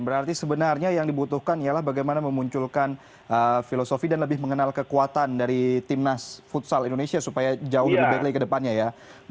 berarti sebenarnya yang dibutuhkan ialah bagaimana memunculkan filosofi dan lebih mengenal kekuatan dari timnas futsal indonesia supaya jauh lebih baik lagi ke depannya ya